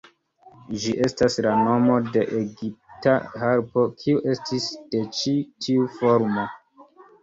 Ĝi estas la nomo de egipta harpo, kiu estis de ĉi tiu formo".